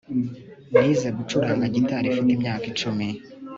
Nize gucuranga gitari mfite imyaka icumi